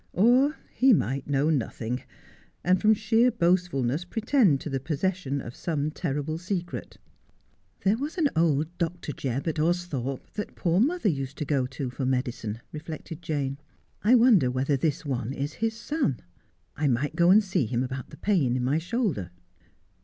Or he might know nothing, and from sheer boastfulness pretend to the possession of some terrible secret. ' There was an old Dr. Jebb at Austhorpe that poor mother used to go to for medicine,' reflected f Jane. ' I wonder whether this one is his son 1 I might go and see him about the pain in my shoulder.'